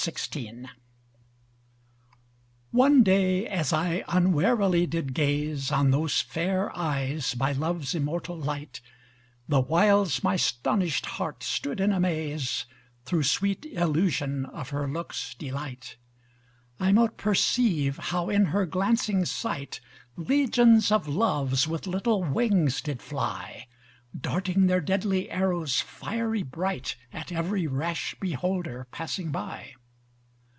XVI One day as I unwarily did gaze On those fair eyes my love's immortal light: The whiles my 'stonished heart stood in amaze, Through sweet illusion of her look's delight. I mote perceive how in her glancing sight, Legions of loves with little wings did fly: Darting their deadly arrows fiery bright, At every rash beholder passing by.